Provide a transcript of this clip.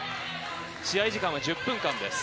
試合時間は１０分間です。